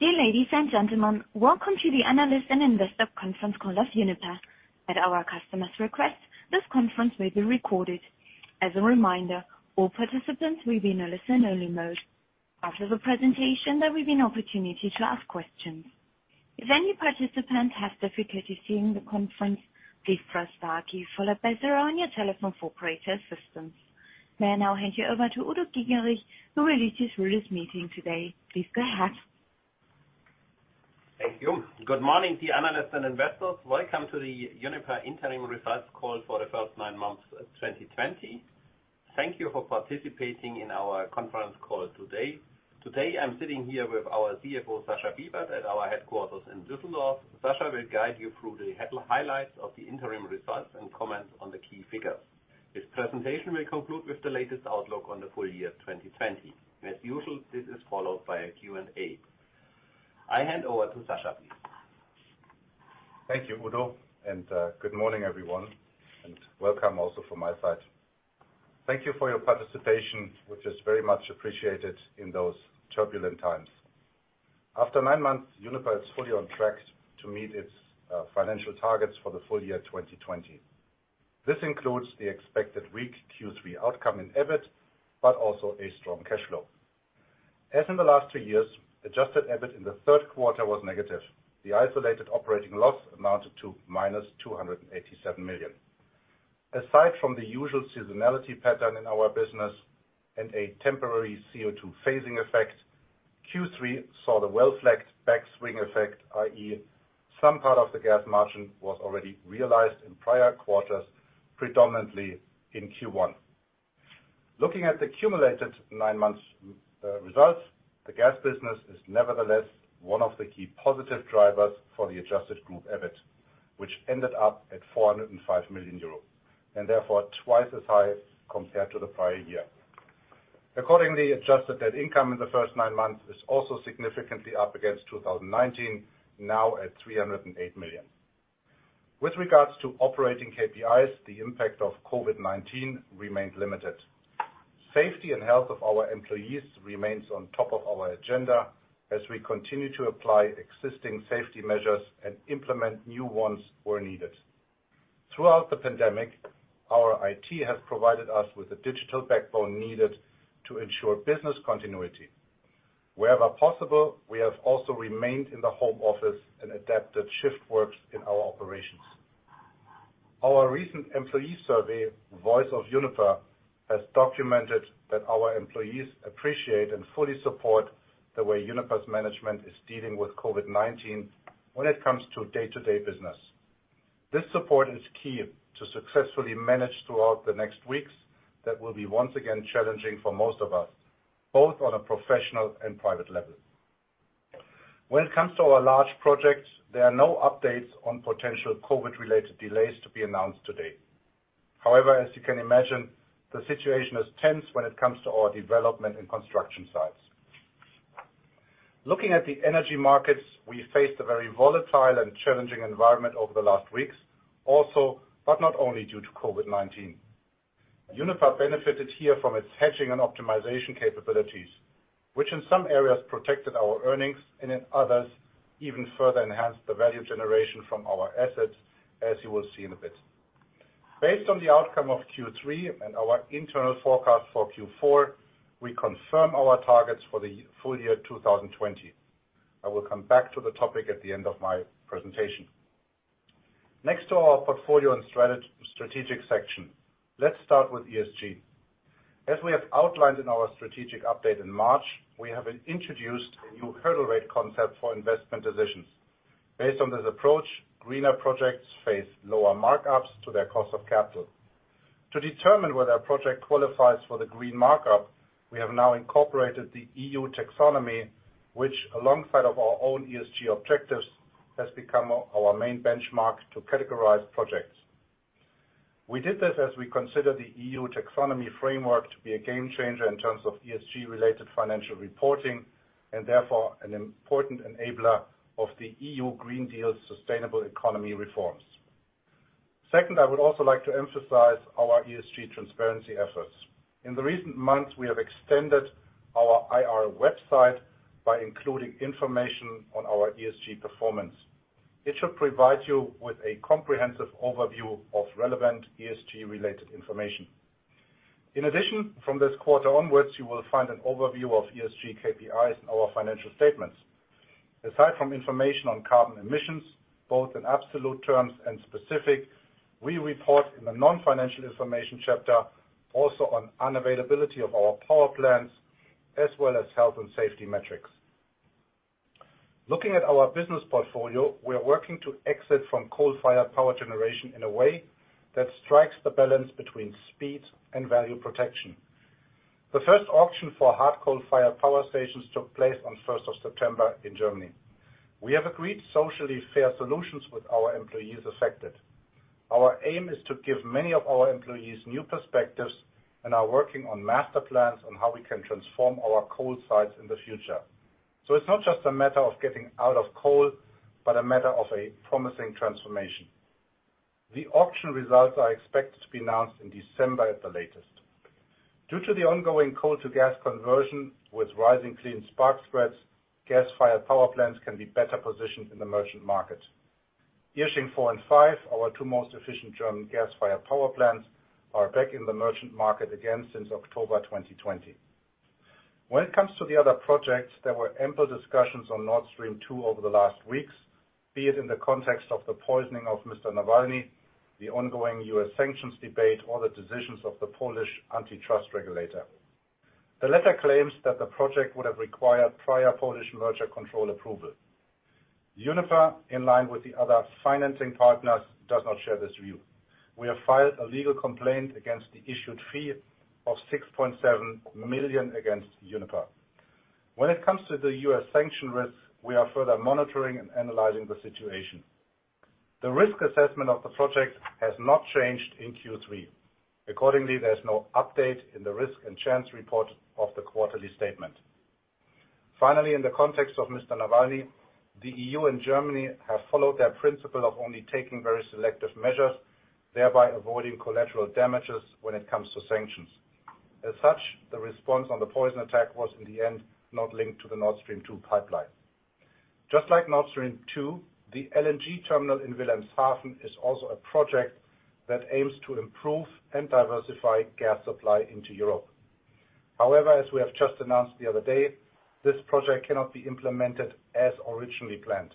Dear ladies and gentlemen, welcome to the Analyst and Investor Conference Call of Uniper. At our customers' request, this conference will be recorded. As a reminder, all participants will be in a listen-only mode. After the presentation, there will be an opportunity to ask questions. If any participant has difficulty seeing the conference, please press star key followed by zero on your telephone for operator assistance. May I now hand you over to Udo Giegerich, who will lead you through this meeting today. Please go ahead. Thank you. Good morning to you, analysts and investors. Welcome to the Uniper interim results call for the first nine months of 2020. Thank you for participating in our conference call today. Today, I'm sitting here with our CFO, Sascha Bibert, at our headquarters in Düsseldorf. Sascha will guide you through the highlights of the interim results and comment on the key figures. This presentation will conclude with the latest outlook on the full-year 2020. As usual, this is followed by a Q&A. I hand over to Sascha, please. Thank you, Udo, and good morning, everyone, and welcome also from my side. Thank you for your participation, which is very much appreciated in those turbulent times. After nine months, Uniper is fully on track to meet its financial targets for the full-year 2020. This includes the expected weak Q3 outcome in EBIT, but also a strong cash flow. As in the last two years, Adjusted EBIT in the third quarter was negative. The isolated operating loss amounted to -287 million. Aside from the usual seasonality pattern in our business and a temporary CO2 phasing effect, Q3 saw the well-flagged backswing effect, i.e., some part of the gas margin was already realized in prior quarters, predominantly in Q1. Looking at the accumulated nine months results, the gas business is nevertheless one of the key positive drivers for the Adjusted group EBIT, which ended up at 405 million euro, and therefore twice as high compared to the prior year. Accordingly, Adjusted net income in the first nine months is also significantly up against 2019, now at 308 million. With regards to operating KPIs, the impact of COVID-19 remained limited. Safety and health of our employees remains on top of our agenda as we continue to apply existing safety measures and implement new ones where needed. Throughout the pandemic, our IT has provided us with the digital backbone needed to ensure business continuity. Wherever possible, we have also remained in the home office and adapted shift works in our operations. Our recent employee survey, Voice of Uniper, has documented that our employees appreciate and fully support the way Uniper's management is dealing with COVID-19 when it comes to day-to-day business. This support is key to successfully manage throughout the next weeks. That will be once again challenging for most of us, both on a professional and private level. When it comes to our large projects, there are no updates on potential COVID-related delays to be announced today. However, as you can imagine, the situation is tense when it comes to our development and construction sites. Looking at the energy markets, we faced a very volatile and challenging environment over the last weeks also, but not only due to COVID-19. Uniper benefited here from its hedging and optimization capabilities, which in some areas protected our earnings, and in others, even further enhanced the value generation from our assets, as you will see in a bit. Based on the outcome of Q3 and our internal forecast for Q4, we confirm our targets for the full-year 2020. I will come back to the topic at the end of my presentation. Next to our portfolio and strategic section, let's start with ESG. As we have outlined in our strategic update in March, we have introduced a new hurdle rate concept for investment decisions. Based on this approach, greener projects face lower markups to their cost of capital. To determine whether a project qualifies for the green markup, we have now incorporated the EU taxonomy, which alongside of our own ESG objectives, has become our main benchmark to categorize projects. We did this as we consider the EU taxonomy framework to be a game changer in terms of ESG-related financial reporting, and therefore an important enabler of the EU Green Deal sustainable economy reforms. Second, I would also like to emphasize our ESG transparency efforts. In the recent months, we have extended our IR website by including information on our ESG performance. It should provide you with a comprehensive overview of relevant ESG-related information. In addition, from this quarter onwards, you will find an overview of ESG KPIs in our financial statements. Aside from information on carbon emissions, both in absolute terms and specific, we report in the non-financial information chapter also on unavailability of our power plants, as well as health and safety metrics. Looking at our business portfolio, we are working to exit from coal-fired power generation in a way that strikes the balance between speed and value protection. The first auction for hard coal-fired power stations took place on 1st of September in Germany. We have agreed socially fair solutions with our employees affected. Our aim is to give many of our employees new perspectives and are working on master plans on how we can transform our coal sites in the future. It's not just a matter of getting out of coal, but a matter of a promising transformation. The auction results are expected to be announced in December at the latest. Due to the ongoing coal to gas conversion with rising clean spark spreads, gas-fired power plants can be better positioned in the merchant market. Irsching four and five, our two most efficient German gas-fired power plants, are back in the merchant market again since October 2020. When it comes to the other projects, there were ample discussions on Nord Stream 2 over the last weeks, be it in the context of the poisoning of Mr. Navalny, the ongoing U.S. sanctions debate, or the decisions of the Polish antitrust regulator. The latter claims that the project would have required prior Polish merger control approval. Uniper, in line with the other financing partners, does not share this view. We have filed a legal complaint against the issued fee of 6.7 million against Uniper. When it comes to the U.S. sanction risk, we are further monitoring and analyzing the situation. The risk assessment of the project has not changed in Q3. Accordingly, there's no update in the risk and chance report of the quarterly statement. Finally, in the context of Mr. Navalny, the EU and Germany have followed their principle of only taking very selective measures, thereby avoiding collateral damages when it comes to sanctions. As such, the response on the poison attack was in the end, not linked to the Nord Stream 2 pipeline. Just like Nord Stream 2, the LNG terminal in Wilhelmshaven is also a project that aims to improve and diversify gas supply into Europe. However, as we have just announced the other day, this project cannot be implemented as originally planned.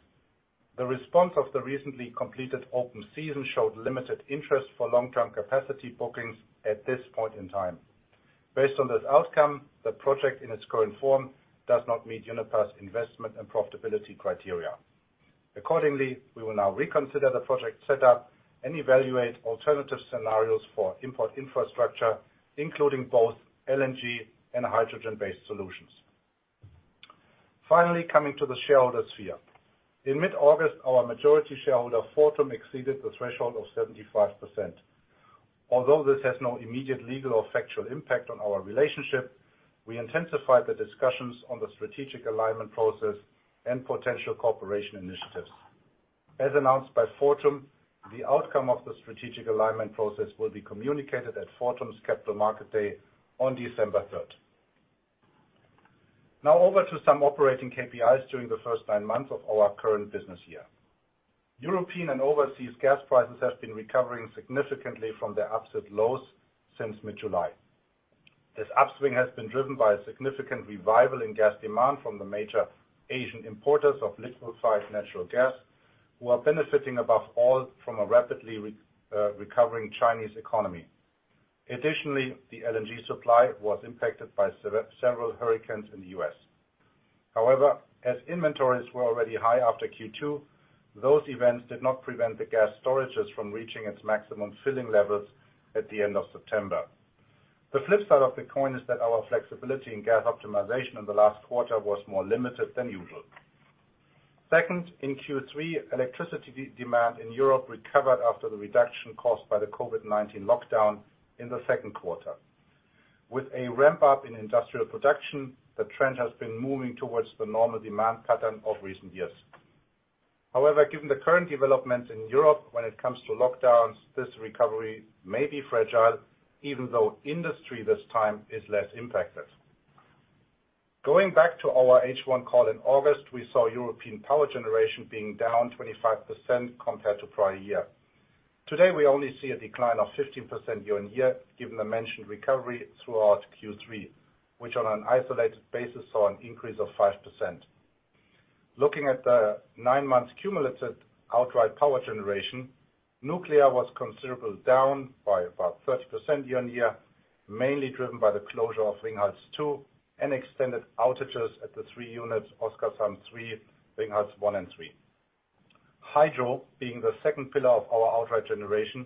The response of the recently completed open season showed limited interest for long-term capacity bookings at this point in time. Based on this outcome, the project in its current form does not meet Uniper's investment and profitability criteria. Accordingly, we will now reconsider the project set up and evaluate alternative scenarios for import infrastructure, including both LNG and hydrogen-based solutions. Finally, coming to the shareholder sphere. In mid-August, our majority shareholder, Fortum, exceeded the threshold of 75%. Although this has no immediate legal or factual impact on our relationship, we intensified the discussions on the strategic alignment process and potential cooperation initiatives. As announced by Fortum, the outcome of the strategic alignment process will be communicated at Fortum's Capital Markets Day on December 3rd. Now over to some operating KPIs during the first nine months of our current business year. European and overseas gas prices have been recovering significantly from their absolute lows since mid-July. This upswing has been driven by a significant revival in gas demand from the major Asian importers of liquefied natural gas, who are benefiting above all from a rapidly recovering Chinese economy. Additionally, the LNG supply was impacted by several hurricanes in the U.S. As inventories were already high after Q2, those events did not prevent the gas storages from reaching its maximum filling levels at the end of September. The flip side of the coin is that our flexibility in gas optimization in the last quarter was more limited than usual. Second, in Q3, electricity demand in Europe recovered after the reduction caused by the COVID-19 lockdown in the second quarter. With a ramp-up in industrial production, the trend has been moving towards the normal demand pattern of recent years. Given the current developments in Europe when it comes to lockdowns, this recovery may be fragile, even though industry this time is less impacted. Going back to our H1 call in August, we saw European power generation being down 25% compared to prior year. Today, we only see a decline of 15% year-over-year, given the mentioned recovery throughout Q3, which on an isolated basis, saw an increase of 5%. Looking at the nine-month cumulative outright power generation, nuclear was considerably down by about 30% year-over-year, mainly driven by the closure of Ringhals 2 and extended outages at the three units, Oskarshamn 3, Ringhals 1 and 3. Hydro, being the second pillar of our outright generation,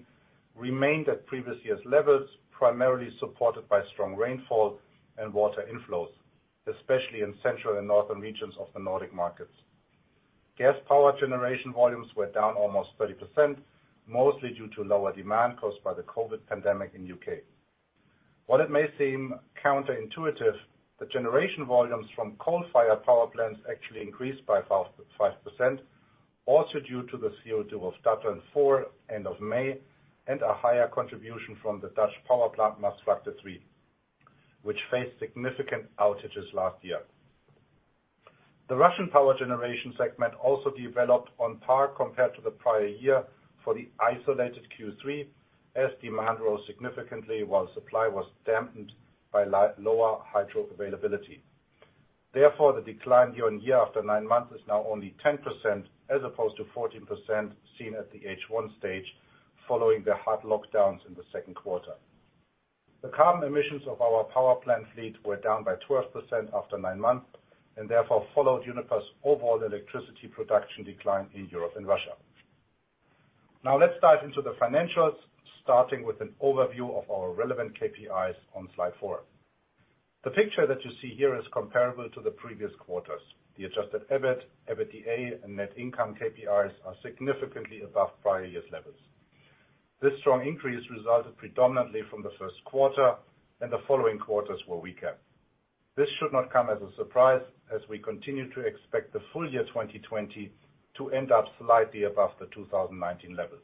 remained at previous years' levels, primarily supported by strong rainfall and water inflows, especially in central and northern regions of the Nordic markets. Gas power generation volumes were down almost 30%, mostly due to lower demand caused by the COVID-19 pandemic in U.K. While it may seem counterintuitive, the generation volumes from coal-fired power plants actually increased by 5%, also due to the CO2 of Datteln 4 end of May, and a higher contribution from the Dutch power plant, Maasvlakte 3, which faced significant outages last year. The Russian power generation segment also developed on par compared to the prior year for the isolated Q3 as demand rose significantly while supply was dampened by lower hydro availability. Therefore, the decline year on year after nine months is now only 10%, as opposed to 14% seen at the H1 stage following the hard lockdowns in the second quarter. The carbon emissions of our power plant fleet were down by 12% after nine months and therefore followed Uniper's overall electricity production decline in Europe and Russia. Now let's dive into the financials, starting with an overview of our relevant KPIs on slide four. The picture that you see here is comparable to the previous quarters. The Adjusted EBIT, EBITDA, and net income KPIs are significantly above prior years' levels. This strong increase resulted predominantly from the first quarter, and the following quarters were weaker. This should not come as a surprise as we continue to expect the full-year 2020 to end up slightly above the 2019 level.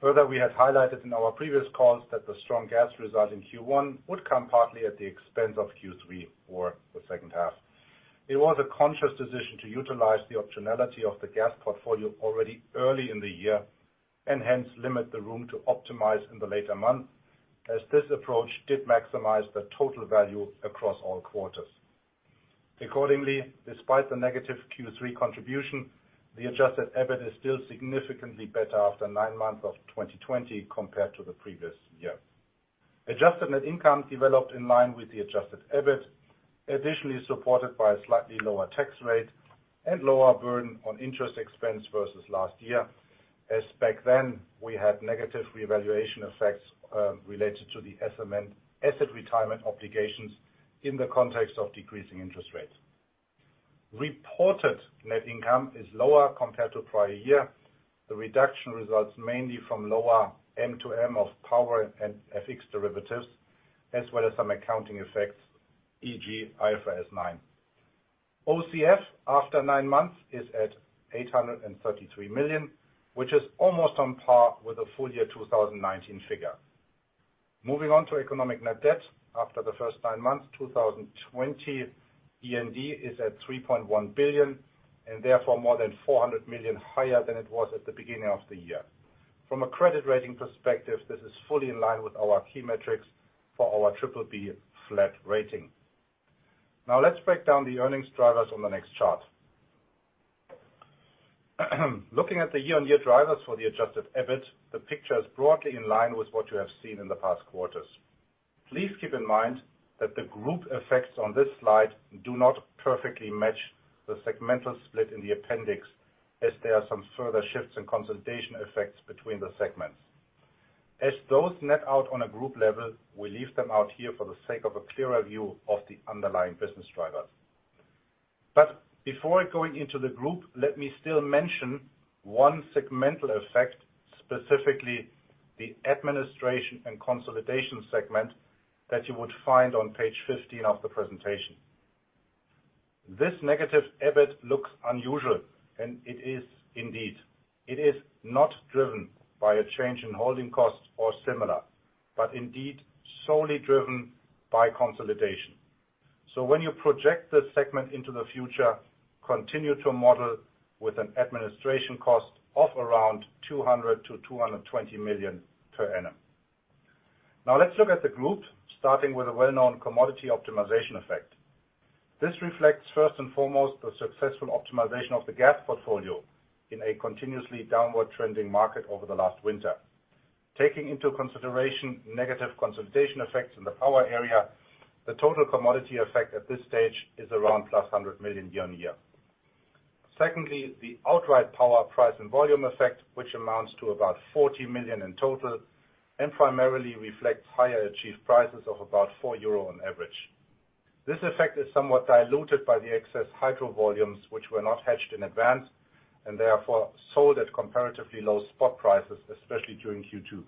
We had highlighted in our previous calls that the strong gas result in Q1 would come partly at the expense of Q3 or the second half. It was a conscious decision to utilize the optionality of the gas portfolio already early in the year, and hence limit the room to optimize in the later months, as this approach did maximize the total value across all quarters. Despite the negative Q3 contribution, the Adjusted EBIT is still significantly better after nine months of 2020 compared to the previous year. Adjusted net income developed in line with the Adjusted EBIT, additionally supported by a slightly lower tax rate and lower burden on interest expense versus last year, as back then, we had negative revaluation effects related to the Swedish nuclear asset retirement obligations in the context of decreasing interest rates. Reported net income is lower compared to prior year. The reduction results mainly from lower M2M of power and FX derivatives, as well as some accounting effects, e.g., IFRS 9. OCF after nine months is at 833 million, which is almost on par with the full-year 2019 figure. Moving on to economic net debt. After the first nine months of 2020, [inaudible] is at 3.1 billion, and therefore more than 400 million higher than it was at the beginning of the year. From a credit rating perspective, this is fully in line with our key metrics for our BBB- rating. Now let's break down the earnings drivers on the next chart. Looking at the year-on-year drivers for the Adjusted EBIT, the picture is broadly in line with what you have seen in the past quarters. Please keep in mind that the group effects on this slide do not perfectly match the segmental split in the appendix, as there are some further shifts and consolidation effects between the segments. As those net out on a group level, we leave them out here for the sake of a clearer view of the underlying business drivers. Before going into the group, let me still mention one segmental effect, specifically the administration and consolidation segment that you would find on page 15 of the presentation. This negative EBIT looks unusual, and it is indeed. It is not driven by a change in holding costs or similar, but indeed solely driven by consolidation. When you project this segment into the future, continue to model with an administration cost of around 200 million to 220 million per annum. Now let's look at the group, starting with a well-known commodity optimization effect. This reflects first and foremost the successful optimization of the gas portfolio in a continuously downward trending market over the last winter. Taking into consideration negative consolidation effects in the power area, the total commodity effect at this stage is around +100 million year-on-year. The outright power, price and volume effect, which amounts to about 40 million in total and primarily reflects higher achieved prices of about 4 euro on average. This effect is somewhat diluted by the excess hydro volumes, which were not hedged in advance, and therefore sold at comparatively low spot prices, especially during Q2.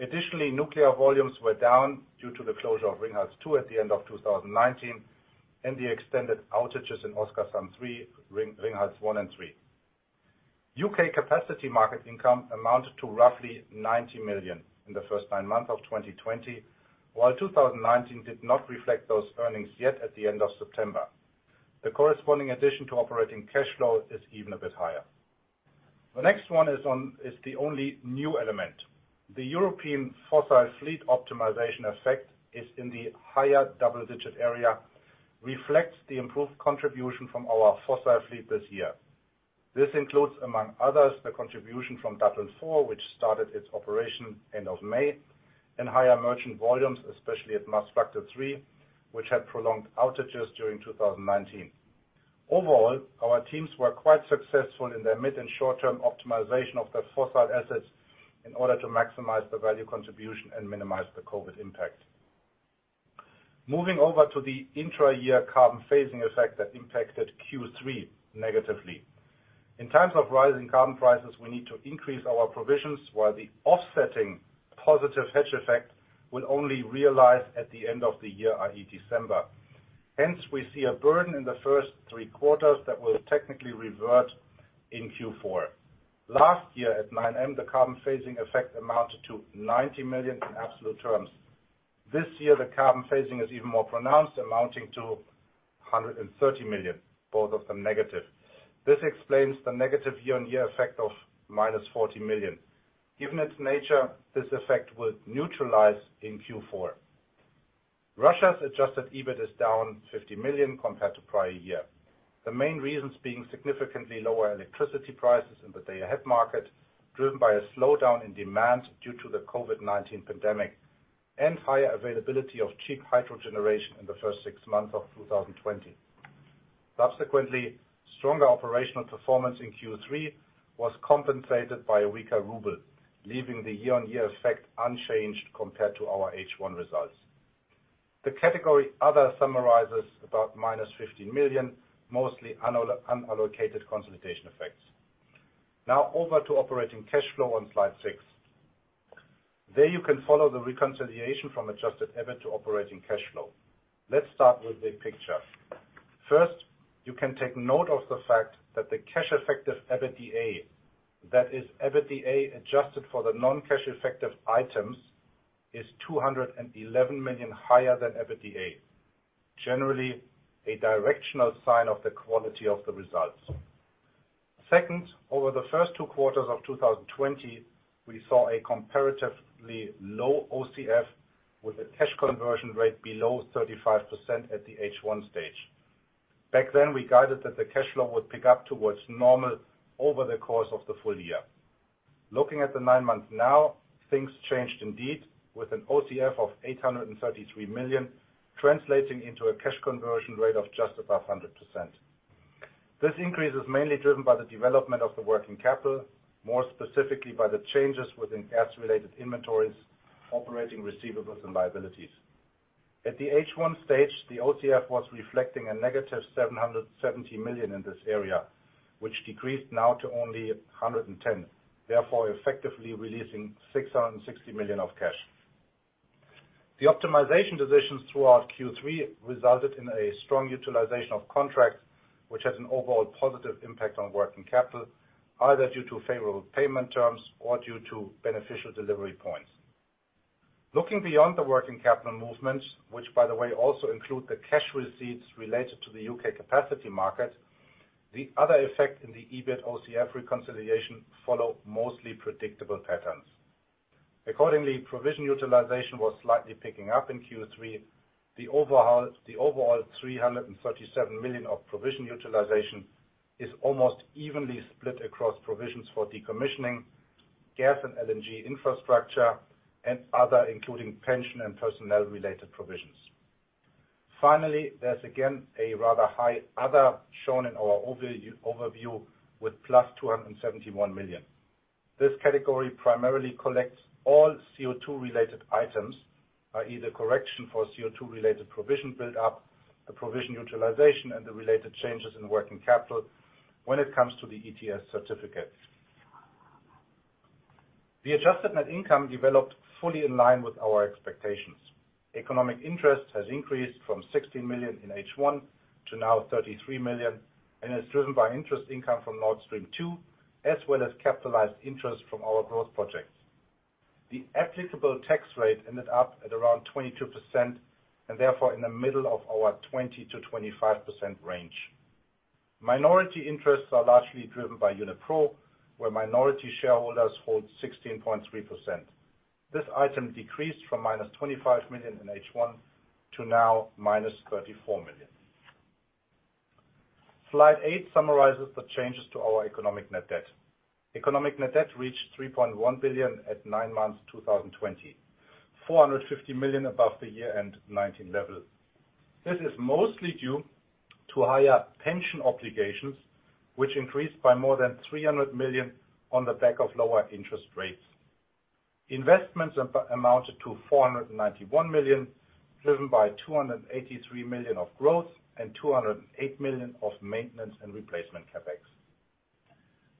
Additionally, nuclear volumes were down due to the closure of Ringhals 2 at the end of 2019 and the extended outages in Oskarshamn 3, Ringhals 1 and 3. U.K. capacity market income amounted to roughly 90 million in the first nine months of 2020, while 2019 did not reflect those earnings yet at the end of September. The corresponding addition to operating cash flow is even a bit higher. The next one is the only new element. The European fossil fleet optimization effect is in the higher double-digit area, reflects the improved contribution from our fossil fleet this year. This includes, among others, the contribution from Datteln 4, which started its operation end of May, and higher merchant volumes, especially at Maasvlakte 3, which had prolonged outages during 2019. Overall, our teams were quite successful in their mid and short-term optimization of their fossil assets in order to maximize the value contribution and minimize the COVID impact. Moving over to the intra-year carbon phasing effect that impacted Q3 negatively. In times of rising carbon prices, we need to increase our provisions, while the offsetting positive hedge effect will only realize at the end of the year, i.e., December. Hence, we see a burden in the first three quarters that will technically revert in Q4. Last year at 9M, the carbon phasing effect amounted to 90 million in absolute terms. This year, the carbon phasing is even more pronounced, amounting to 130 million, both of them negative. This explains the negative year-on-year effect of -40 million. Given its nature, this effect will neutralize in Q4. Russia's Adjusted EBIT is down 50 million compared to prior year. The main reasons being significantly lower electricity prices in the day-ahead market, driven by a slowdown in demand due to the COVID-19 pandemic and higher availability of cheap hydro generation in the first six months of 2020. Subsequently, stronger operational performance in Q3 was compensated by a weaker ruble, leaving the year-on-year effect unchanged compared to our H1 results. The category Other summarizes about -15 million, mostly unallocated consolidation effects. Over to operating cash flow on slide six. There you can follow the reconciliation from Adjusted EBIT to operating cash flow. Let's start with the picture. First, you can take note of the fact that the cash effective EBITDA, that is EBITDA adjusted for the non-cash effective items, is 211 million higher than EBITDA. Generally, a directional sign of the quality of the results. Second, over the first two quarters of 2020, we saw a comparatively low OCF with a cash conversion rate below 35% at the H1 stage. Back then, we guided that the cash flow would pick up towards normal over the course of the full-year. Looking at the nine months now, things changed indeed with an OCF of 833 million, translating into a cash conversion rate of just above 100%. This increase is mainly driven by the development of the working capital, more specifically by the changes within gas-related inventories, operating receivables, and liabilities. At the H1 stage, the OCF was reflecting a negative 770 million in this area, which decreased now to only 110, therefore effectively releasing 660 million of cash. The optimization decisions throughout Q3 resulted in a strong utilization of contracts, which had an overall positive impact on working capital, either due to favorable payment terms or due to beneficial delivery points. Looking beyond the working capital movements, which by the way also include the cash receipts related to the U.K. capacity market, the other effect in the EBIT OCF reconciliation follow mostly predictable patterns. Accordingly, provision utilization was slightly picking up in Q3. The overall 337 million of provision utilization is almost evenly split across provisions for decommissioning, gas and LNG infrastructure, and other, including pension and personnel-related provisions. Finally, there's again a rather high other shown in our overview with +271 million. This category primarily collects all CO2-related items, are either correction for CO2-related provision build-up, a provision utilization, and the related changes in working capital when it comes to the ETS certificate. The adjusted net income developed fully in line with our expectations. Economic interest has increased from 16 million in H1 to now 33 million, and is driven by interest income from Nord Stream 2, as well as capitalized interest from our growth projects. The applicable tax rate ended up at around 22%, and therefore in the middle of our 20%-25% range. Minority interests are largely driven by Uniper, where minority shareholders hold 16.3%. This item decreased from -25 million in H1 to now -34 million. Slide eight summarizes the changes to our economic net debt. Economic net debt reached 3.1 billion at nine months 2020. 450 million above the year-end 2019 level. This is mostly due to higher pension obligations, which increased by more than 300 million on the back of lower interest rates. Investments amounted to 491 million, driven by 283 million of growth and 208 million of maintenance and replacement CapEx.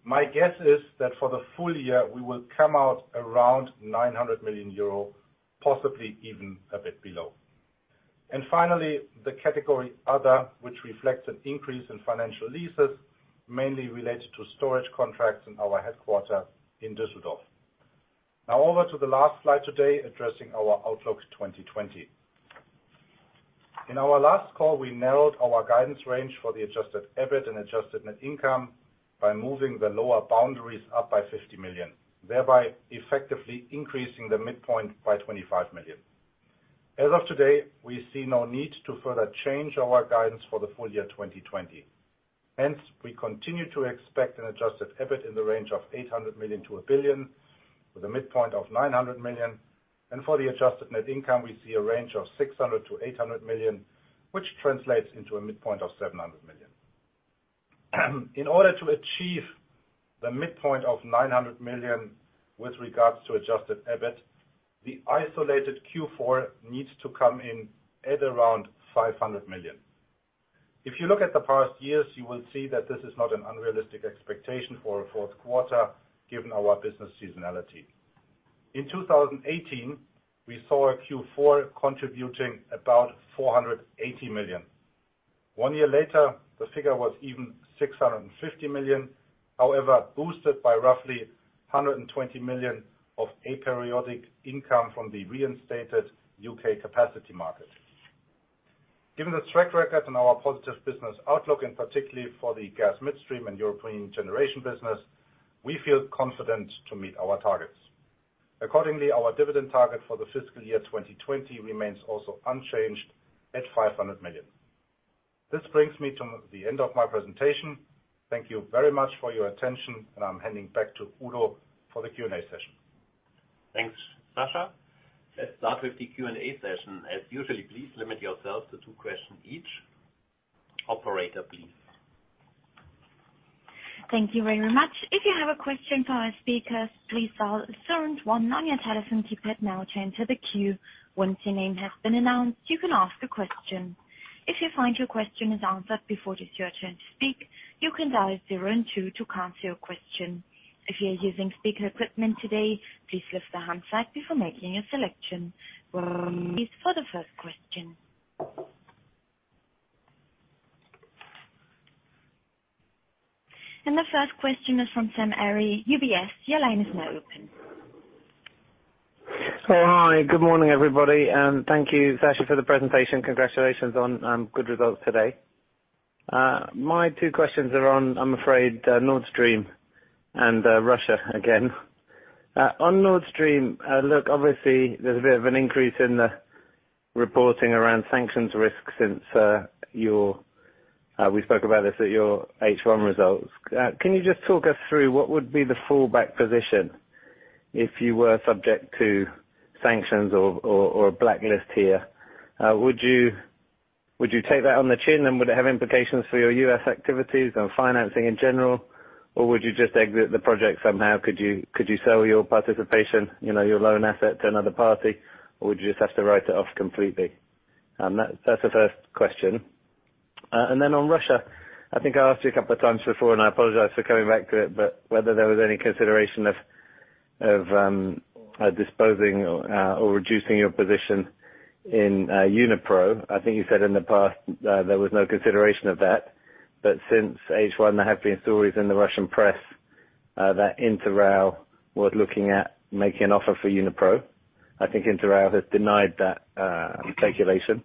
My guess is that for the full-year, we will come out around 900 million euro, possibly even a bit below. Finally, the category other, which reflects an increase in financial leases, mainly related to storage contracts in our headquarter in Düsseldorf. Now over to the last slide today, addressing our outlook 2020. In our last call, we narrowed our guidance range for the Adjusted EBIT and adjusted net income by moving the lower boundaries up by 50 million, thereby effectively increasing the midpoint by 25 million. As of today, we see no need to further change our guidance for the full-year 2020. We continue to expect an Adjusted EBIT in the range of 800 million to 1 billion, with a midpoint of 900 million. For the adjusted net income, we see a range of 600 million-800 million, which translates into a midpoint of 700 million. In order to achieve the midpoint of 900 million with regards to Adjusted EBIT, the isolated Q4 needs to come in at around 500 million. If you look at the past years, you will see that this is not an unrealistic expectation for a fourth quarter given our business seasonality. In 2018, we saw a Q4 contributing about 480 million. One year later, the figure was even 650 million, however, boosted by roughly 120 million of aperiodic income from the reinstated U.K. capacity market. Given the track record and our positive business outlook, and particularly for the gas midstream and European generation business, we feel confident to meet our targets. Accordingly, our dividend target for the fiscal year 2020 remains also unchanged at 500 million. This brings me to the end of my presentation. Thank you very much for your attention, and I'm handing back to Udo for the Q&A session. Thanks, Sascha. Let's start with the Q&A session. As usual, please limit yourself to two questions each. Operator, please. Thank you very much. If you have a question for our speakers, please dial zero and one on your telephone keypad now to enter the queue. Once your name has been announced, you can ask a question. If you find your question is answered before it is your turn to speak, you can dial zero and two to cancel your question. If you are using speaker equipment today, please lift the handset before making your selection. For the first question. The first question is from Sam Arie, UBS. Your line is now open. Hi. Good morning, everybody. Thank you, Sascha, for the presentation. Congratulations on good results today. My two questions are on, I'm afraid, Nord Stream and Russia again. On Nord Stream, look, obviously there's a bit of an increase in the reporting around sanctions risk since we spoke about this at your H1 results. Can you just talk us through what would be the fallback position if you were subject to sanctions or a blacklist here? Would you take that on the chin and would it have implications for your U.S. activities and financing in general? Would you just exit the project somehow? Could you sell your participation, your loan asset to another party? Would you just have to write it off completely? That's the first question. Then on Russia, I think I asked you a couple of times before, and I apologize for coming back to it, but whether there was any consideration of disposing or reducing your position in Unipro. I think you said in the past there was no consideration of that. Since H1, there have been stories in the Russian press that Inter RAO was looking at making an offer for Unipro. I think Inter RAO has denied that calculation.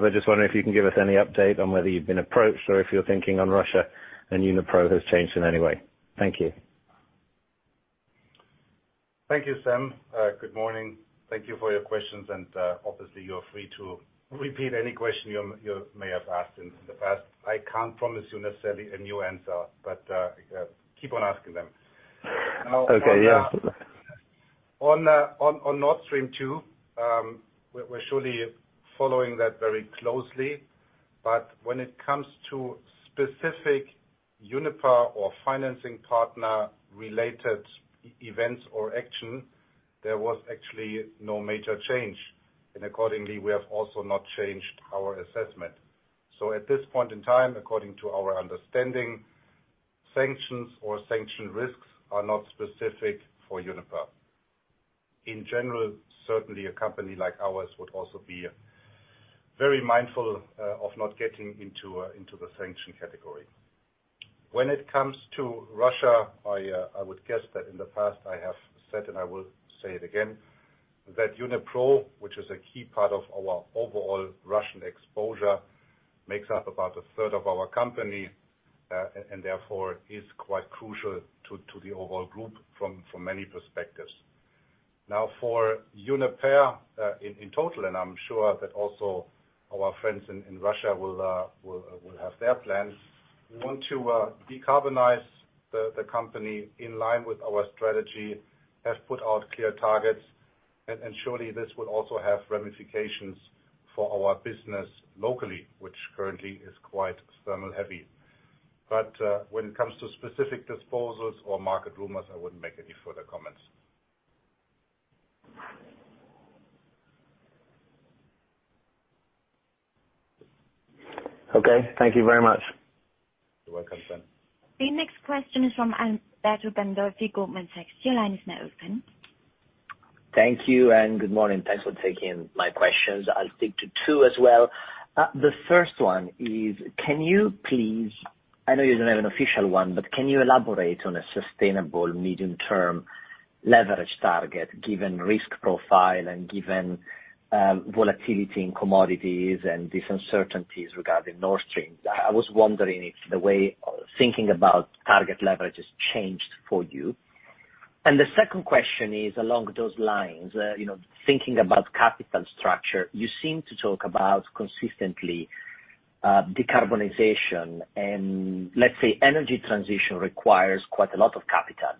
I just wonder if you can give us any update on whether you've been approached or if your thinking on Russia and Unipro has changed in any way. Thank you. Thank you, Sam. Good morning. Thank you for your questions, and, obviously you're free to repeat any question you may have asked in the past. I can't promise you necessarily a new answer, but keep on asking them. Okay. Yeah. On Nord Stream 2, we're surely following that very closely, but when it comes to specific Uniper or financing partner-related events or action, there was actually no major change. Accordingly, we have also not changed our assessment. At this point in time, according to our understanding, sanctions or sanction risks are not specific for Uniper. In general, certainly a company like ours would also be very mindful of not getting into the sanction category. When it comes to Russia, I would guess that in the past I have said, and I will say it again, that Unipro, which is a key part of our overall Russian exposure, makes up about a third of our company, and therefore is quite crucial to the overall group from many perspectives. For Uniper in total, and I'm sure that also our friends in Russia will have their plans. We want to decarbonize the company in line with our strategy, have put out clear targets, and surely this will also have ramifications for our business locally, which currently is quite thermal heavy. When it comes to specific disposals or market rumors, I wouldn't make any further comments. Okay. Thank you very much. You're welcome, Sam. The next question is from Alberto Gandolfi, Goldman Sachs. Your line is now open. Thank you, good morning. Thanks for taking my questions. I'll stick to two as well. The first one is, can you please, I know you don't have an official one, but can you elaborate on a sustainable medium-term leverage target given risk profile and given volatility in commodities and these uncertainties regarding Nord Stream? I was wondering if the way of thinking about target leverage has changed for you. The second question is along those lines. Thinking about capital structure, you seem to talk about consistently decarbonization and let's say energy transition requires quite a lot of capital,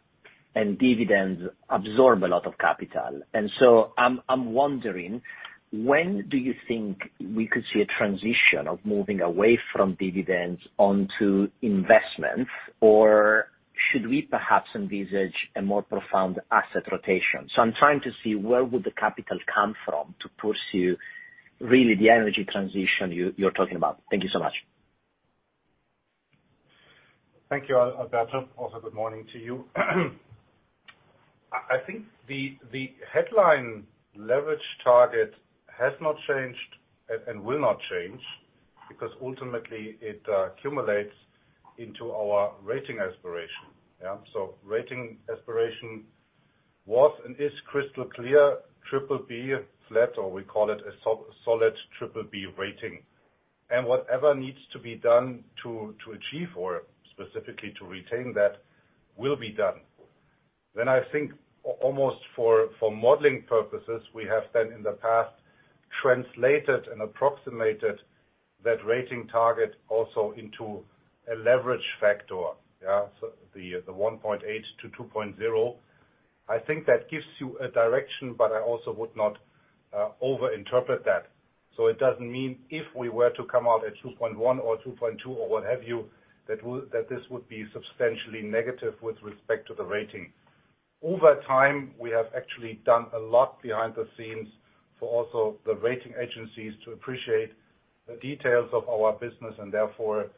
and dividends absorb a lot of capital. I'm wondering, when do you think we could see a transition of moving away from dividends onto investments? Should we perhaps envisage a more profound asset rotation? I'm trying to see where would the capital come from to pursue really the energy transition you're talking about. Thank you so much. Thank you, Alberto. Good morning to you. I think the headline leverage target has not changed and will not change because ultimately it accumulates into our rating aspiration. Yeah? Rating aspiration was and is crystal clear BBB-, or we call it a solid BBB rating. Whatever needs to be done to achieve or specifically to retain that will be done. I think almost for modeling purposes, we have then in the past translated and approximated that rating target also into a leverage factor. Yeah? The 1.8-2.0, I think that gives you a direction, but I also would not over-interpret that. It doesn't mean if we were to come out at 2.1 or 2.2 or what have you, that this would be substantially negative with respect to the rating. Over time, we have actually done a lot behind the scenes for also the rating agencies to appreciate the details of our business, and therefore,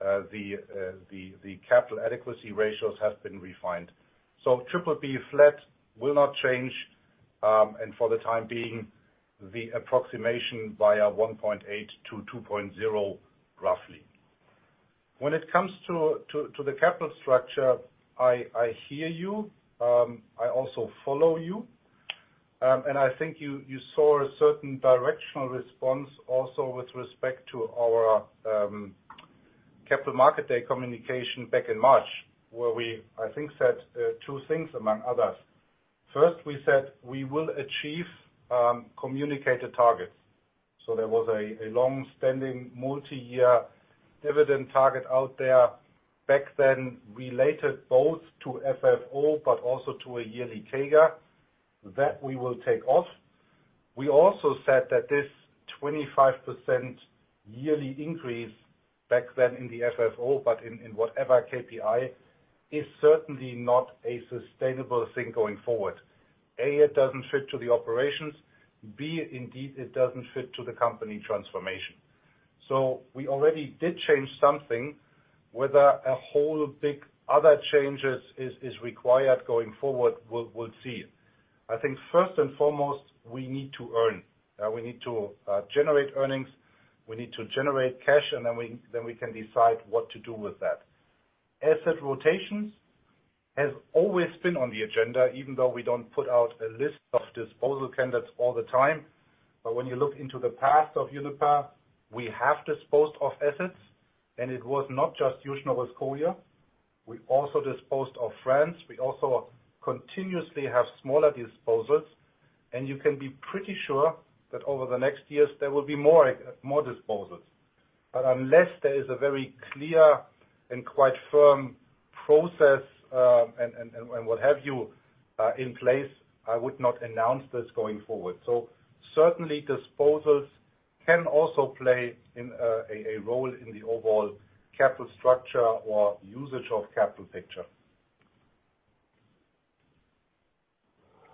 the capital adequacy ratios have been refined. BBB flat will not change. For the time being, the approximation via 1.8 to 2.0, roughly. When it comes to the capital structure, I hear you. I also follow you. I think you saw a certain directional response also with respect to our Capital Markets Day communication back in March, where we, I think, said two things among others. First, we said we will achieve communicated targets. There was a long-standing multi-year dividend target out there back then related both to FFO, but also to a yearly CAGR that we will take off. We also said that this 25% yearly increase back then in the FFO, but in whatever KPI, is certainly not a sustainable thing going forward. A, it doesn't fit to the operations. B, indeed, it doesn't fit to the company transformation. We already did change something. Whether a whole big other changes is required going forward, we'll see. I think first and foremost, we need to earn. We need to generate earnings, we need to generate cash, and then we can decide what to do with that. Asset rotations has always been on the agenda, even though we don't put out a list of disposal candidates all the time. When you look into the past of Uniper, we have disposed of assets, and it was not just Yuzhno-Russkoye. We also disposed of France. We also continuously have smaller disposals, you can be pretty sure that over the next years, there will be more disposals. Unless there is a very clear and quite firm process and what have you in place, I would not announce this going forward. Certainly, disposals can also play a role in the overall capital structure or usage of capital picture.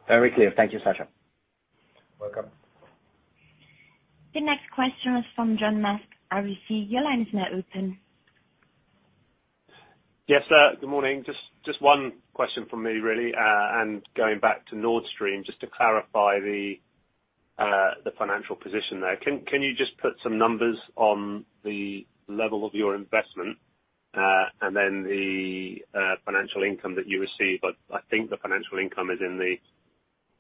Very clear. Thank you, Sascha. Welcome. The next question is from John Musk, RBC. Your line is now open. Yes, good morning. Just one question from me, really. Going back to Nord Stream, just to clarify the financial position there. Can you just put some numbers on the level of your investment and then the financial income that you receive? I think the financial income is in the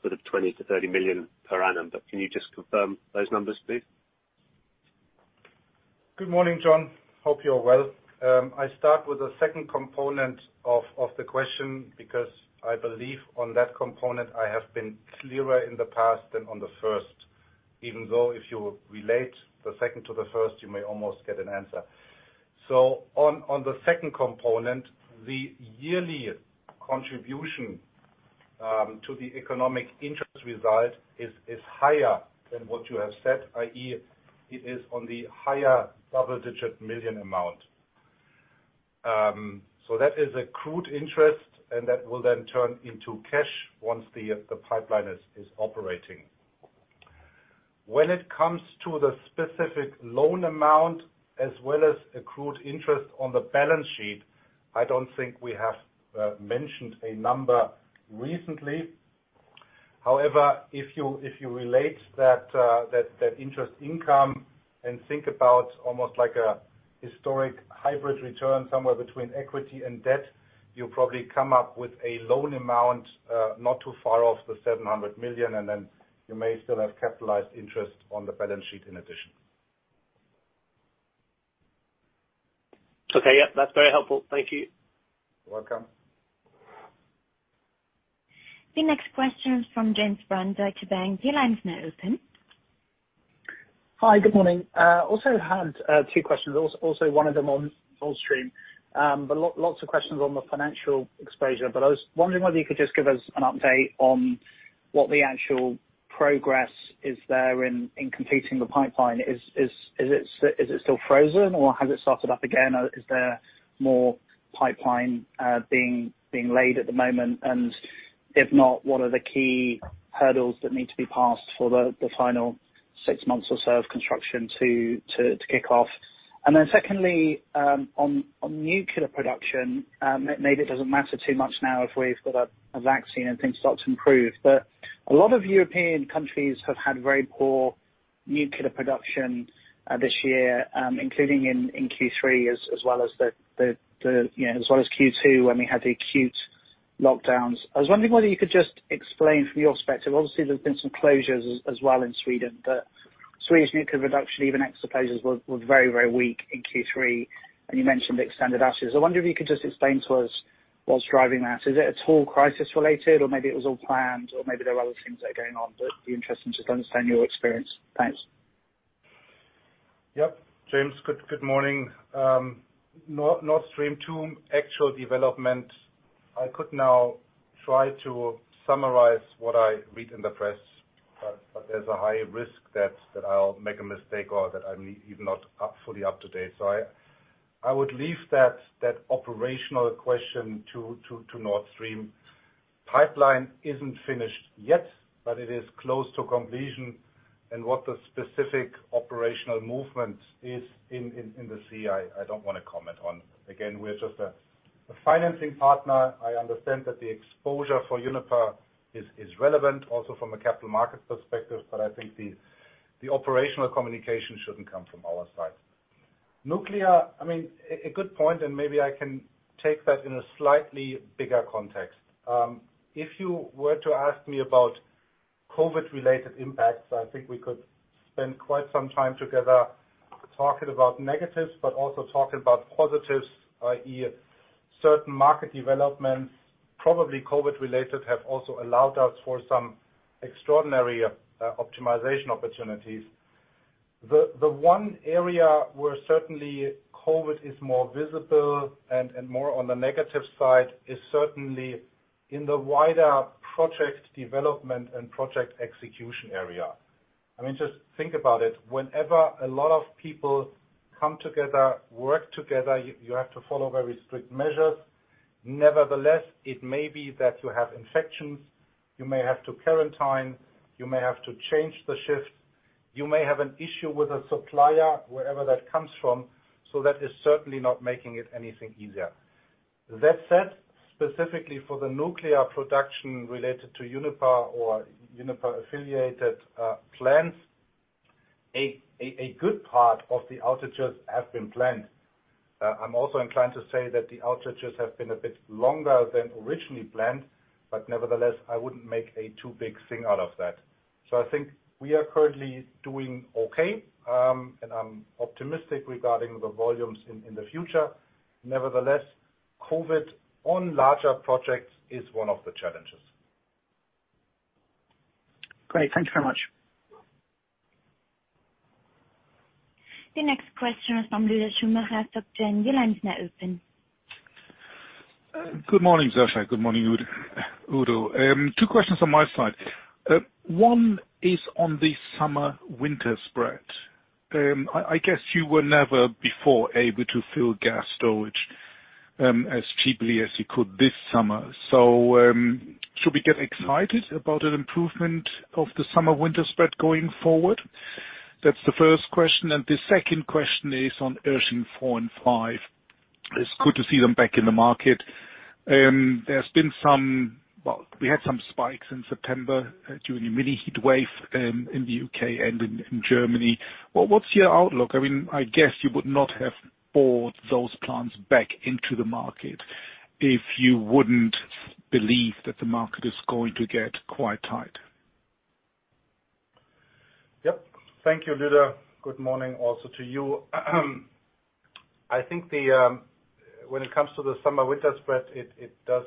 sort of 20 million-30 million per annum, but can you just confirm those numbers, please? Good morning, John. Hope you're well. I start with the second component of the question because I believe on that component I have been clearer in the past than on the first. Even though if you relate the second to the first, you may almost get an answer. On the second component, the yearly contribution to the economic interest result is higher than what you have said, i.e., it is on the higher double-digit million amount. That is accrued interest, and that will then turn into cash once the pipeline is operating. When it comes to the specific loan amount as well as accrued interest on the balance sheet, I don't think we have mentioned a number recently. If you relate that interest income and think about almost like a historic hybrid return somewhere between equity and debt, you probably come up with a loan amount not too far off the 700 million, and then you may still have capitalized interest on the balance sheet in addition. Okay. Yeah, that's very helpful. Thank you. You're welcome. The next question is from James Brand, Deutsche Bank. Your line is now open. Hi, good morning. I also had two questions, one of them on Nord Stream, but lots of questions on the financial exposure. I was wondering whether you could just give us an update on what the actual progress is there in completing the pipeline. Is it still frozen, or has it started up again? Is there more pipeline being laid at the moment? If not, what are the key hurdles that need to be passed for the final six months or so of construction to kick off? Secondly, on nuclear production. Maybe it doesn't matter too much now if we've got a vaccine and things start to improve. A lot of European countries have had very poor nuclear production this year, including in Q3 as well as Q2, when we had the acute lockdowns. I was wondering whether you could just explain from your perspective. Obviously, there's been some closures as well in Sweden, but Swedish nuclear production, even ex the closures, were very weak in Q3. You mentioned extended outages. I wonder if you could just explain to us what's driving that. Is it at all crisis related, or maybe it was all planned, or maybe there are other things that are going on. It'd be interesting just to understand your experience. Thanks. James, good morning. Nord Stream 2 actual development. I could now try to summarize what I read in the press, there's a high risk that I'll make a mistake or that I'm even not fully up to date. I would leave that operational question to Nord Stream. Pipeline isn't finished yet, it is close to completion. What the specific operational movement is in the sea, I don't want to comment on. Again, we're just a financing partner. I understand that the exposure for Uniper is relevant also from a capital market perspective, I think the operational communication shouldn't come from our side. Nuclear, a good point, maybe I can take that in a slightly bigger context. If you were to ask me about COVID-related impacts, I think we could spend quite some time together talking about negatives, but also talking about positives, i.e., certain market developments, probably COVID-related, have also allowed us for some extraordinary optimization opportunities. The one area where certainly COVID is more visible and more on the negative side is certainly in the wider project development and project execution area. Just think about it. Whenever a lot of people come together, work together, you have to follow very strict measures. Nevertheless, it may be that you have infections, you may have to quarantine, you may have to change the shift. You may have an issue with a supplier, wherever that comes from. That is certainly not making it anything easier. That said, specifically for the nuclear production related to Uniper or Uniper-affiliated plants, a good part of the outages have been planned. I'm also inclined to say that the outages have been a bit longer than originally planned, nevertheless, I wouldn't make a too big thing out of that. I think we are currently doing okay, and I'm optimistic regarding the volumes in the future. Nevertheless, COVID on larger projects is one of the challenges. Great. Thank you very much. The next question is from Lueder Schumacher of Societe Generale. Your line is now open. Good morning, Sascha. Good morning, Udo. Two questions on my side. One is on the summer-winter spread. I guess you were never before able to fill gas storage as cheaply as you could this summer. Should we get excited about an improvement of the summer-winter spread going forward? That's the first question, and the second question is on Irsching four and five. It's good to see them back in the market. We had some spikes in September during a mini heatwave in the U.K. and in Germany. What's your outlook? I guess you would not have bought those plants back into the market if you wouldn't believe that the market is going to get quite tight. Yep. Thank you, Lueder. Good morning also to you. When it comes to the summer winter spread, it does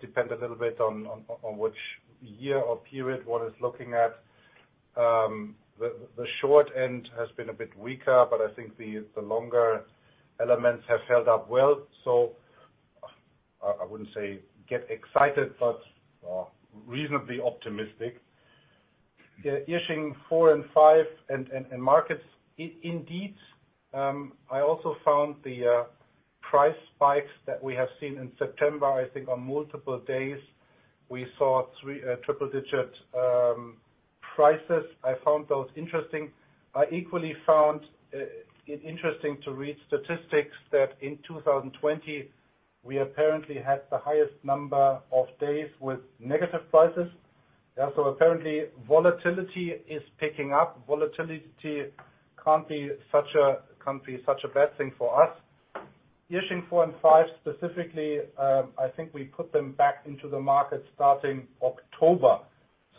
depend a little bit on which year or period one is looking at. The short end has been a bit weaker, but I think the longer elements have held up well. I wouldn't say get excited, but reasonably optimistic. Irsching four and five and markets, indeed, I also found the price spikes that we have seen in September, I think on multiple days, we saw triple-digit prices. I found those interesting. I equally found it interesting to read statistics that in 2020, we apparently had the highest number of days with negative prices. Apparently, volatility is picking up. Volatility can't be such a bad thing for us. Irsching four and five specifically, I think we put them back into the market starting October.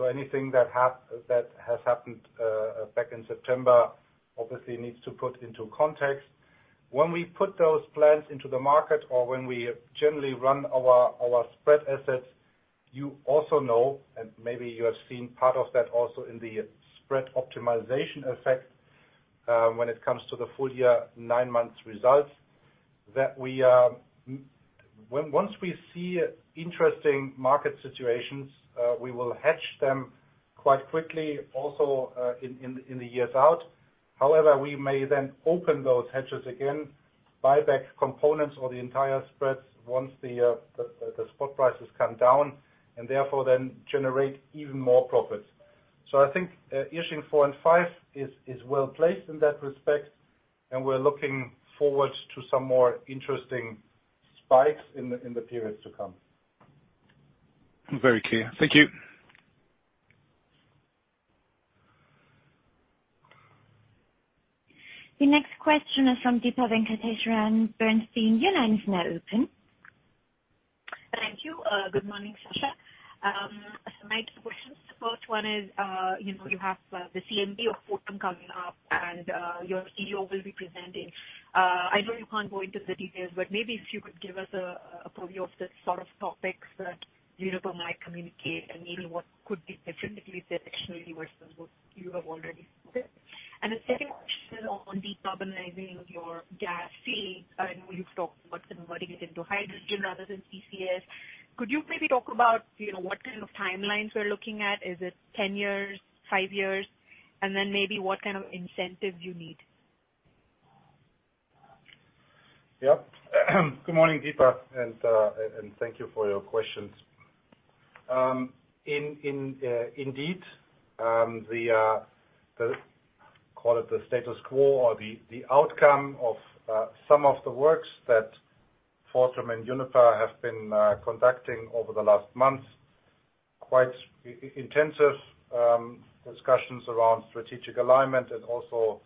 Anything that has happened back in September obviously needs to put into context. When we put those plants into the market or when we generally run our spread assets, you also know, and maybe you have seen part of that also in the spread optimization effect, when it comes to the full-year nine months results, that once we see interesting market situations, we will hedge them quite quickly also in the years out. However, we may then open those hedges again, buy back components or the entire spreads once the spot prices come down, and therefore then generate even more profits. I think Irsching four and five is well-placed in that respect, and we're looking forward to some more interesting spikes in the periods to come. Very clear. Thank you. The next question is from Deepa Venkateswaran, Bernstein. Thank you. Good morning, Sascha. My two questions. The first one is, you have the CMD of Fortum coming up, and your CEO will be presenting. I know you can't go into the details, but maybe if you could give us a preview of the sort of topics that Uniper might communicate and maybe what could be differently directionally versus what you have already stated. The second question on decarbonizing your gas fleet. I know you've talked about converting it into hydrogen rather than CCS. Could you maybe talk about what kind of timelines we're looking at? Is it 10 years, five years, and then maybe what kind of incentive you need? Yep. Good morning, Deepa, and thank you for your questions. Indeed, call it the status quo or the outcome of some of the works that Fortum and Uniper have been conducting over the last months, quite intensive discussions around strategic alignment and also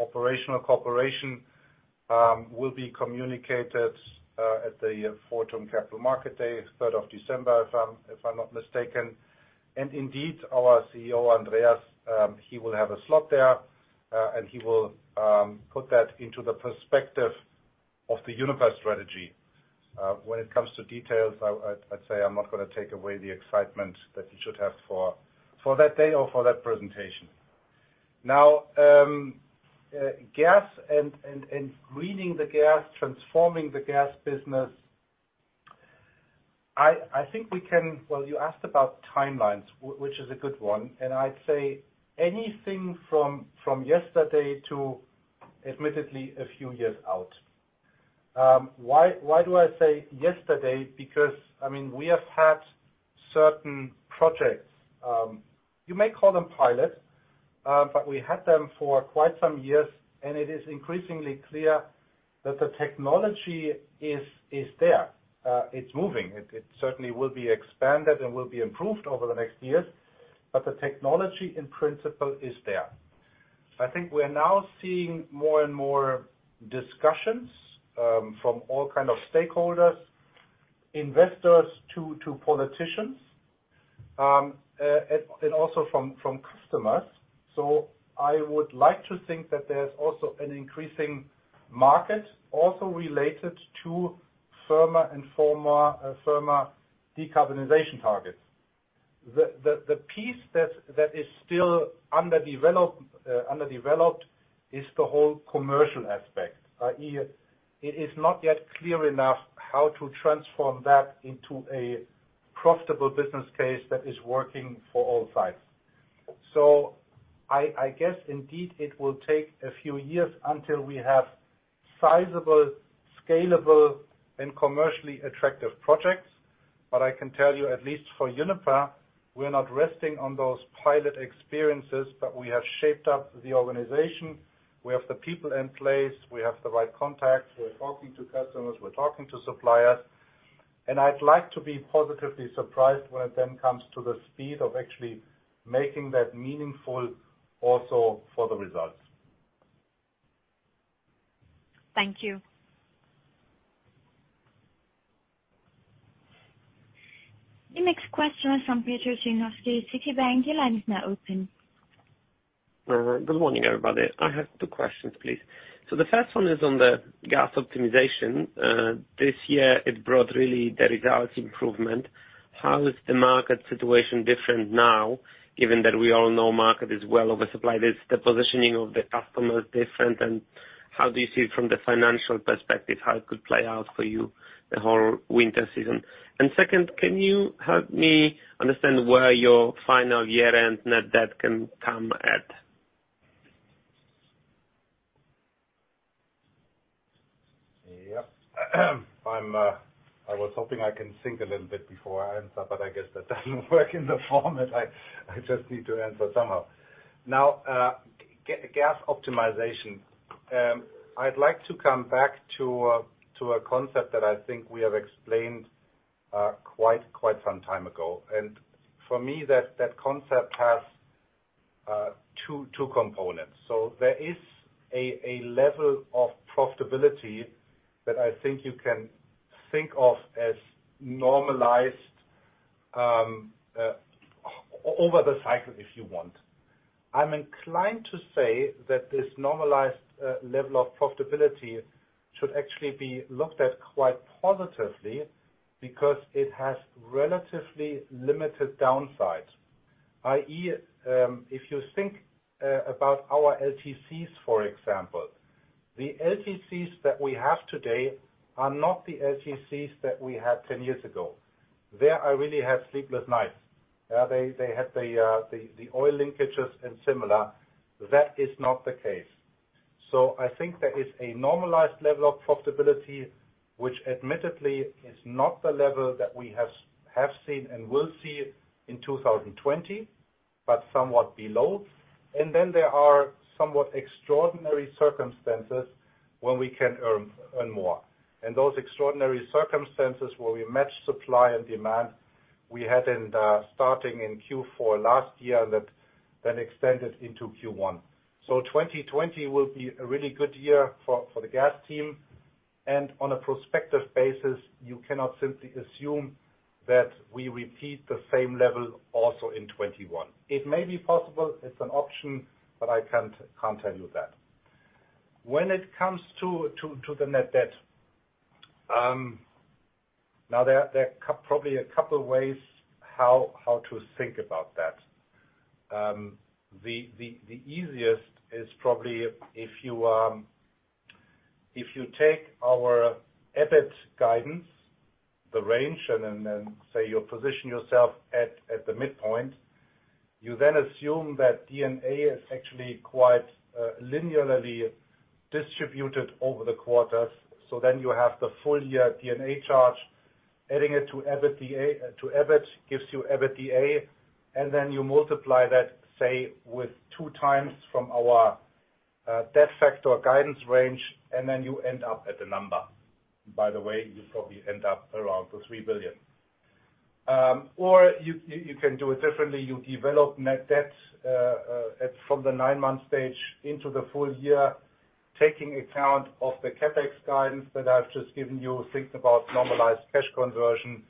operational cooperation will be communicated at the Fortum Capital Markets Day, 3rd of December, if I'm not mistaken. Indeed, our CEO, Andreas, he will have a slot there, and he will put that into the perspective of the Uniper strategy. When it comes to details, I'd say I'm not going to take away the excitement that you should have for that day or for that presentation. Now, gas and greening the gas, transforming the gas business. You asked about timelines, which is a good one, and I'd say anything from yesterday to admittedly a few years out. Why do I say yesterday? We have had certain projects, you may call them pilot, but we had them for quite some years, and it is increasingly clear that the technology is there. It's moving. It certainly will be expanded and will be improved over the next years, but the technology in principle is there. I think we're now seeing more and more discussions from all kind of stakeholders, investors to politicians, and also from customers. I would like to think that there's also an increasing market also related to firmer and firmer decarbonization targets. The piece that is still underdeveloped is the whole commercial aspect, i.e., it is not yet clear enough how to transform that into a profitable business case that is working for all sides. I guess indeed it will take a few years until we have sizable, scalable, and commercially attractive projects. I can tell you, at least for Uniper, we are not resting on those pilot experiences, but we have shaped up the organization. We have the people in place. We have the right contacts. We are talking to customers, we are talking to suppliers, and I would like to be positively surprised when it then comes to the speed of actually making that meaningful also for the results. Thank you. The next question is from Piotr Dzieciolowski, Citi. Your line is now open. Good morning, everybody. I have two questions, please. The first one is on the gas optimization. This year, it brought really the results improvement. How is the market situation different now, given that we all know market is well oversupplied? Is the positioning of the customers different, and how do you see it from the financial perspective, how it could play out for you the whole winter season? Second, can you help me understand where your final year-end net debt can come at? Yep. I was hoping I can think a little bit before I answer, but I guess that doesn't work in the format. I just need to answer somehow. Now, gas optimization. I'd like to come back to a concept that I think we have explained quite some time ago. For me, that concept has two components. There is a level of profitability that I think you can think of as normalized over the cycle, if you want. I'm inclined to say that this normalized level of profitability should actually be looked at quite positively because it has relatively limited downsides, i.e., if you think about our LTCs, for example. The LTCs that we have today are not the LTCs that we had 10 years ago. There, I really had sleepless nights. They had the oil linkages and similar. That is not the case. I think there is a normalized level of profitability, which admittedly is not the level that we have seen and will see in 2020, but somewhat below. Then there are somewhat extraordinary circumstances when we can earn more. Those extraordinary circumstances where we match supply and demand, we had starting in Q4 last year, that then extended into Q1. 2020 will be a really good year for the gas team. On a prospective basis, you cannot simply assume that we repeat the same level also in 2021. It may be possible, it's an option, but I can't tell you that. When it comes to the net debt, now there are probably a couple of ways how to think about that. The easiest is probably if you take our EBIT guidance, the range, and then say you position yourself at the midpoint. You then assume that D&A is actually quite linearly distributed over the quarters. Then you have the full-year D&A charge, adding it to EBIT gives you EBITDA, and then you multiply that, say, with two times from our debt factor guidance range, and then you end up at the number. By the way, you probably end up around the 3 billion. You can do it differently. You develop net debt from the nine month stage into the full-year, taking account of the CapEx guidance that I've just given you, think about normalized cash conversion,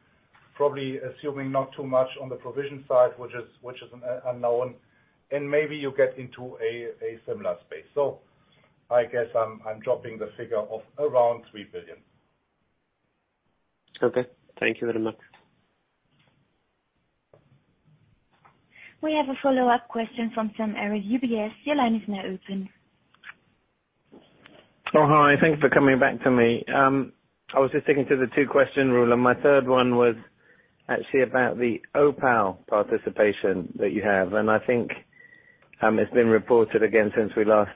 probably assuming not too much on the provision side, which is unknown, and maybe you get into a similar space. I guess I'm dropping the figure of around 3 billion. Okay. Thank you very much. We have a follow-up question from Sam Arie of UBS. Your line is now open. Oh, hi. Thank you for coming back to me. I was just sticking to the two-question rule. My third one was actually about the OPAL participation that you have. I think it's been reported again since we last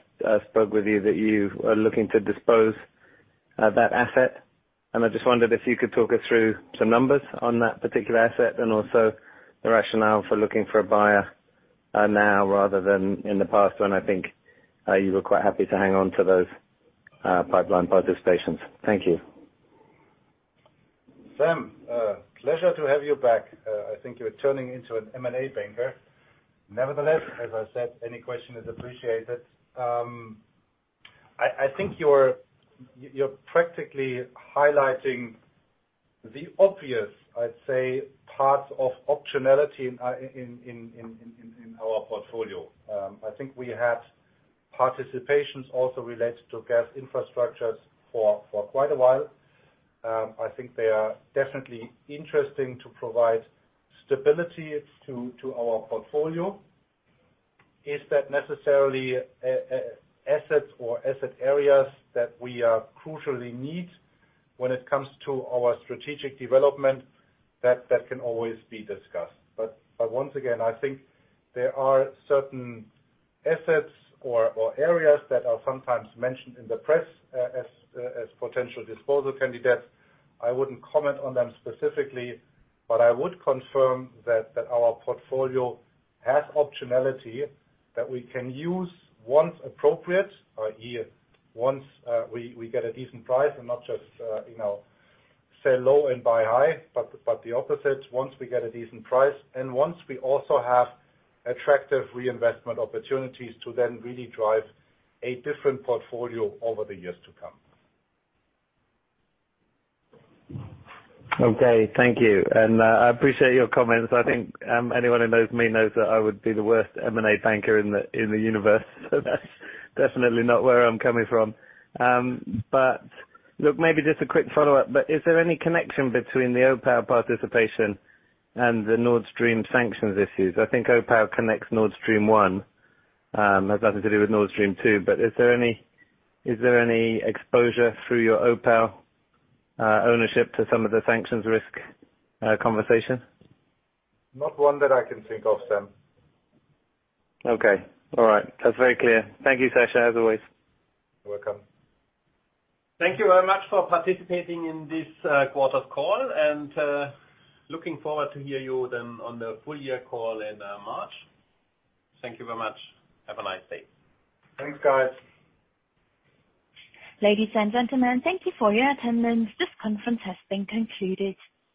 spoke with you that you are looking to dispose that asset. I just wondered if you could talk us through some numbers on that particular asset and also the rationale for looking for a buyer now rather than in the past when I think you were quite happy to hang on to those pipeline participations. Thank you. Sam, pleasure to have you back. I think you're turning into an M&A banker. Nevertheless, as I said, any question is appreciated. I think you're practically highlighting the obvious, I'd say, parts of optionality in our portfolio. I think we had participations also related to gas infrastructures for quite a while. I think they are definitely interesting to provide stability to our portfolio. Is that necessarily assets or asset areas that we crucially need when it comes to our strategic development? That can always be discussed. Once again, I think there are certain assets or areas that are sometimes mentioned in the press as potential disposal candidates. I wouldn't comment on them specifically, but I would confirm that our portfolio has optionality that we can use once appropriate, i.e., once we get a decent price and not just sell low and buy high, but the opposite. Once we get a decent price, and once we also have attractive reinvestment opportunities to then really drive a different portfolio over the years to come. Okay. Thank you. I appreciate your comments. I think anyone who knows me knows that I would be the worst M&A banker in the universe. That's definitely not where I'm coming from. Look, maybe just a quick follow-up, but is there any connection between the OPAL participation and the Nord Stream sanctions issues? I think OPAL connects Nord Stream 1. Has nothing to do with Nord Stream 2. Is there any exposure through your OPAL ownership to some of the sanctions risk conversation? Not one that I can think of, Sam. Okay. All right. That's very clear. Thank you, Sascha, as always. You're welcome. Thank you very much for participating in this quarter's call, and looking forward to hear you then on the full-year call in March. Thank you very much. Have a nice day. Thanks, guys. Ladies and gentlemen, thank you for your attendance. This conference has been concluded.